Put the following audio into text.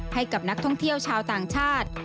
ให้กับนักท่องเที่ยวชาวต่างชาติ